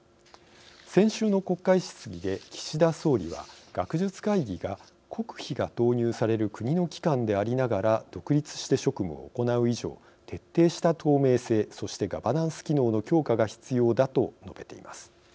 先週の国会質疑で岸田総理は学術会議が「国費が投入される国の機関でありながら独立して職務を行う以上徹底した透明性そしてガバナンス機能の強化が必要だ」と述べています。